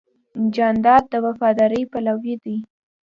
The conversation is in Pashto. جانداد د وفادارۍ پلوی دی.